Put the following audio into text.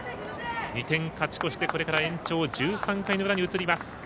２点勝ち越してこれから延長１３回の裏に移ります。